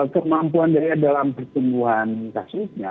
kemampuannya dalam pertumbuhan vaksinnya